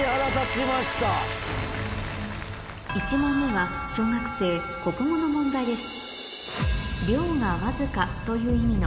１問目は小学生国語の問題です